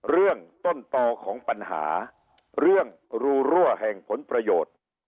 เรื่องต้นต่อของปัญหาเรื่องรูรั่วแห่งผลประโยชน์